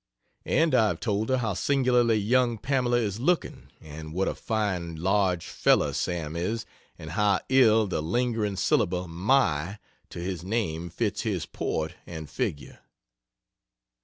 And I have told her how singularly young Pamela is looking, and what a fine large fellow Sam is, and how ill the lingering syllable "my" to his name fits his port and figure.